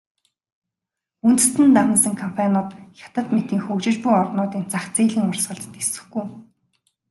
Үндэстэн дамнасан компаниуд Хятад мэтийн хөгжиж буй орнуудын зах зээлийн урсгалд тэсэхгүй.